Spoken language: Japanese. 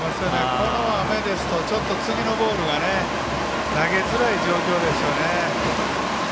この雨ですとちょっと次のボールが投げづらい状況ですね。